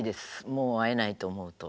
もう会えないと思うと。